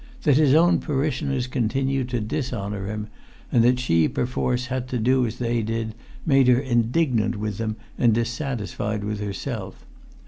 That his own parishioners continued to dishonour him, and that she perforce had to do as they did, made her indignant with them and dissatisfied with herself.